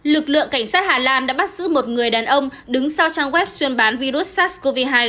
lực lượng cảnh sát hà lan đã bắt giữ một người đàn ông đứng sau trang web xuyên bán virus sars cov hai